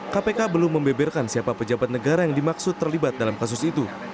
kpk belum membeberkan siapa pejabat negara yang dimaksud terlibat dalam kasus itu